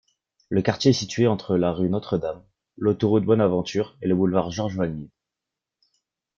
Le quartier est situé entre la rue Notre-Dame, l'Autoroute Bonaventure et le Boulevard Georges-Vanier.